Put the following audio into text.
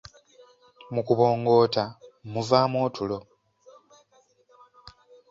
Mu kubongoota muvaamu otulo.